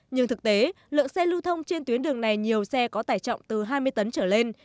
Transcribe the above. nhưng thực tế lượng xe lưu thông trên tuyến đường này nhiều xe có tải trọng từ hai mươi tấn trở lên